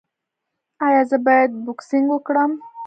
ایا زه باید بوکسینګ وکړم؟